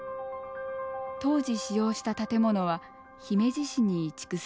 当時使用した建物は姫路市に移築されています。